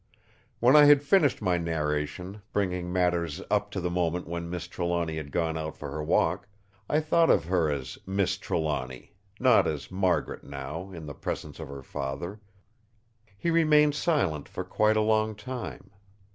When I had finished my narration, bringing matters up to the moment when Miss Trelawny had gone out for her walk—I thought of her as "Miss Trelawny," not as "Margaret" now, in the presence of her father—he remained silent for quite a long time.